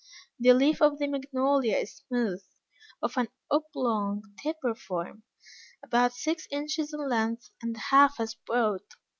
The leaf of the Magnolia is smooth, of an oblong taper form, about six inches in length, and half as broad.